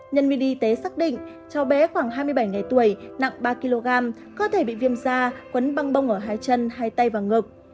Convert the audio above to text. nhân viên y tế xác định cháu bé khoảng hai mươi bảy ngày tuổi nặng ba kg có thể bị viêm da quấn băng bông ở hai chân hai tay và ngực